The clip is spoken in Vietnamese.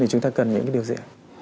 thì chúng ta cần những điều gì